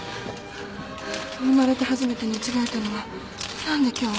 生まれて初めて寝違えたのが何で今日？